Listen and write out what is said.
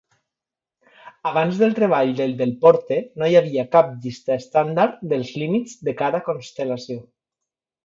Abans del treball de Delporte, no hi havia cap llista estàndard dels límits de cada constel·lació.